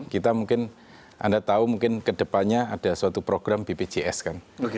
kita mungkin anda tahu mungkin kedepannya ada suatu program bpjs kan